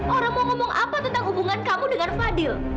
orang mau ngomong apa tentang hubungan kamu dengan fadil